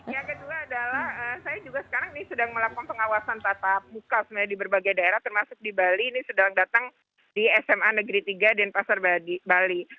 yang kedua adalah saya juga sekarang ini sedang melakukan pengawasan tatap muka sebenarnya di berbagai daerah termasuk di bali ini sedang datang di sma negeri tiga dan pasar bali